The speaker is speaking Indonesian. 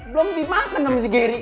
belum dimakan sama si gary